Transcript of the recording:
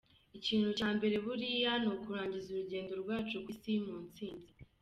Ikintu cya mbere buriya ni ukurangiza urugendo rwacu ku Isi mu ntsinzi”.